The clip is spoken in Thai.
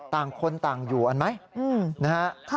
ต่างคนต่างอยู่อันไหมนะฮะ